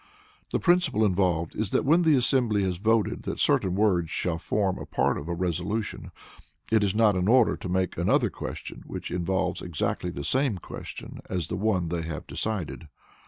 The principle involved is that when the assembly has voted that certain words shall form a part of a resolution, it is not in order to make another motion which involves exactly the same question as the one they have decided.